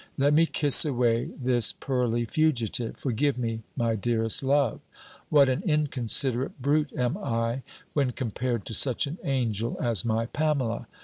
Let me kiss away this pearly fugitive. Forgive me, my dearest love! What an inconsiderate brute am I, when compared to such an angel as my Pamela!